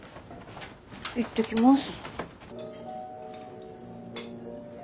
行ってきます。